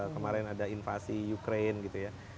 kemarin ada invasi ukraine gitu ya